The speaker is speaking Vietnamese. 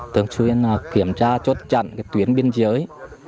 thường xuyên kiểm tra chốt chặn tuyến biên giới